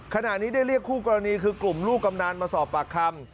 ขณะนี้ได้เรียกคู่กรณีคือกลุ่มลูกกำนันมาสอบปากคำ